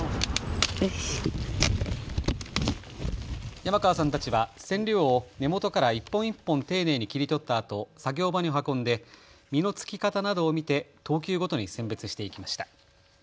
山川さんたちはセンリョウを根元から１本１本丁寧に切り取ったあと作業場に運んで実のつき方などを見て等級ごとに選別していきました。